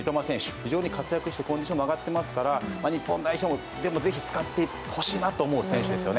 非常に活躍して、コンディションも上がっていますから、日本代表でもぜひ使ってほしいなと思う選手ですよね。